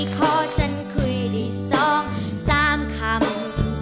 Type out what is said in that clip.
ขอฉันคุยได้๒๓คำ